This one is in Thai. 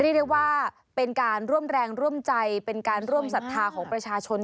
เรียกได้ว่าเป็นการร่วมแรงร่วมใจเป็นการร่วมศรัทธาของประชาชน